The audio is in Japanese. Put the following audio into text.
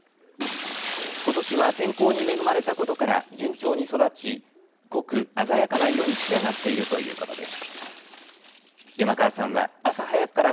ことしは天候に恵まれたことから順調に育ち、濃く鮮やかな色に仕上がっているということです。